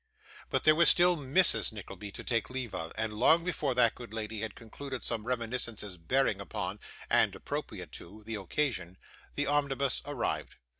But there was still Mrs. Nickleby to take leave of; and long before that good lady had concluded some reminiscences bearing upon, and appropriate to, the occasion, the omnibus arrived.